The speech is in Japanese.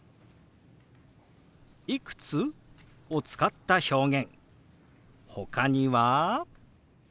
「いくつ？」を使った表現ほかには。